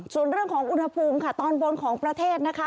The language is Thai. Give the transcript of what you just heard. ส่วนเรื่องของอุณหภูมิค่ะตอนบนของประเทศนะคะ